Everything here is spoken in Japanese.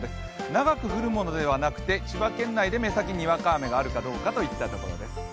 長く降るものではなくて千葉県内で目先、にわか雨があるかどうかというところです。